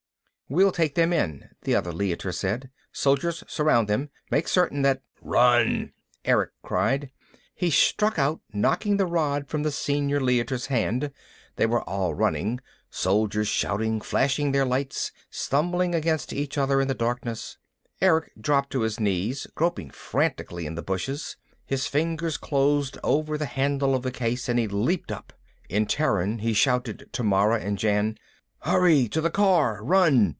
"We'll take them in," the other Leiter said. "Soldiers, surround them. Make certain that " "Run!" Erick cried. He struck out, knocking the rod from the Senior Leiter's hand. They were all running, soldiers shouting, flashing their lights, stumbling against each other in the darkness. Erick dropped to his knees, groping frantically in the bushes. His fingers closed over the handle of the case and he leaped up. In Terran he shouted to Mara and Jan. "Hurry! To the car! Run!"